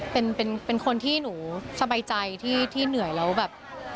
เป็นคนที่หนูสบายใจที่เหนื่อยแล้วแบบ